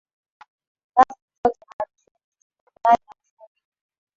ngazi zote hadi shule za sekondari na chuo kikuu